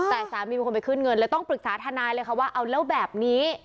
แต่สามีเป็นคนไปขึ้นเงินเลยต้องปรึกษาทนายเลยค่ะว่าเอาแล้วแบบนี้